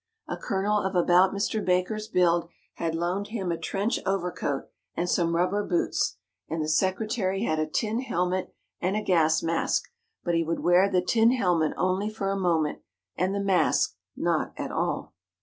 A colonel of about Mr. Baker's build had loaned him a trench overcoat, and some rubber boots, and the secretary had a tin helmet and a gas mask, but he would wear the tin helmet only for a moment, and the mask not at all.